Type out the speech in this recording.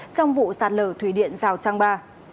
trong vụ sạt lở thủy điện rào trang ba